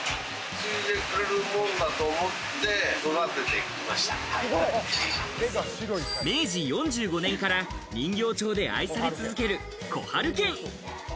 ついでくれるもんだと思って明治４５年から人形町で愛され続ける小春軒。